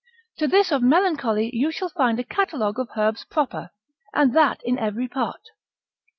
To this of melancholy you shall find a catalogue of herbs proper, and that in every part.